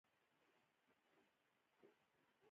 شرکتونه د بازار د مطالعې پراساس تولید کوي.